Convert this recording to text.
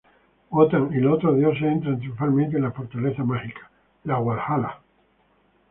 Wotan y los otros dioses entran triunfalmente en la fortaleza mágica, el Walhalla.